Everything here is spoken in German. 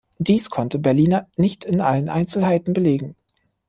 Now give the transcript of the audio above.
Dies konnte Berliner nicht in allen Einzelheiten belegen.